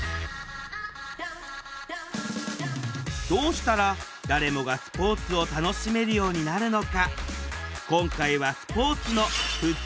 どうしたら誰もがスポーツを楽しめるようになるのか？